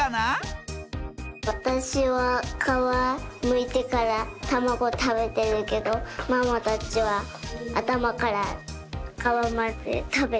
わたしはかわむいてからたまごたべてるけどママたちはあたまからかわまでたべてる。